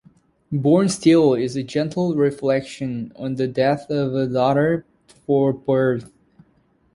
"Born Still" is a gentle reflection on the death of a daughter before birth.